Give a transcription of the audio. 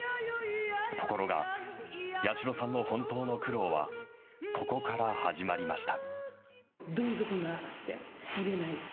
ところが、八代さんの本当の苦労はここから始まりました。